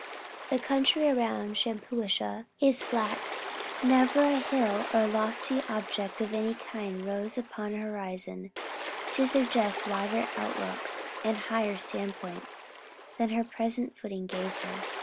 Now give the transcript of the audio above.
The country around Shampuashuh is flat; never a hill or lofty object of any kind rose upon her horizon to suggest wider look outs and higher standing points than her present footing gave her.